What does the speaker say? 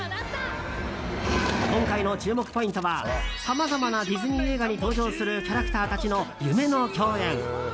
今回の注目ポイントはさまざまなディズニー映画に登場するキャラクターたちの夢の共演。